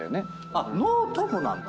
あっノートもなんだ。